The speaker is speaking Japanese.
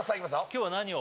今日は何を？